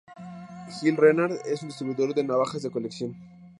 Gil Renard es un distribuidor de navajas de colección.